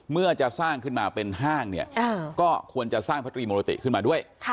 เมื่อจะสร้างขึ้นมาเป็นห้างเนี่ยก็ควรจะสร้างพระตรีมุรติขึ้นมาด้วย